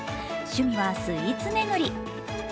趣味はスイーツ巡り。